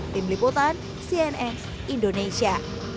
tim liputan cnn indonesia